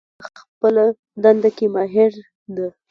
زما ورور په خپلهدنده کې ماهر ده